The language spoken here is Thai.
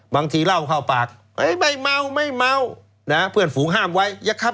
บางทีเล่าเข้าปากไม่เมานะเพื่อนฝูงห้ามไว้อย่าขับ